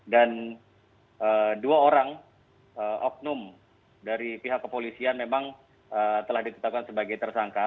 dan dua orang oknum dari pihak kepolisian memang telah ditetapkan sebagai tersangka